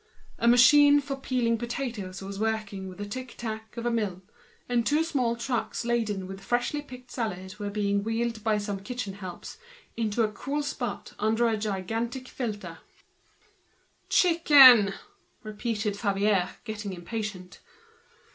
A machine for peeling potatoes was working with the tic tac of a mill. Two small trucks laden with freshly picked salad were being wheeled along by some kitchen helps into the fresh air under a fountain. "Chicken," repeated Favier, getting impatient.